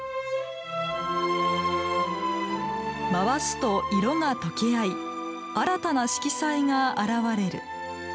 回すと色が溶け合い新たな色彩が現われる。